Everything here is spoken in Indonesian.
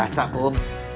alah biasa om